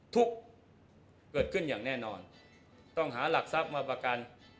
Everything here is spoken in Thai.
ทุกข์เกิดขึ้นอย่างแน่นอนต้องหาหลักทรัพย์มาประกัน